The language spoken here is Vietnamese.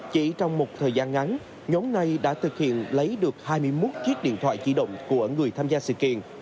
chỉ trong một thời gian ngắn nhóm này đã thực hiện lấy được hai mươi một chiếc điện thoại di động của người tham gia sự kiện